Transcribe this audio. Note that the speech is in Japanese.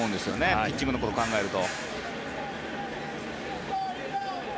ピッチングのことを考えると。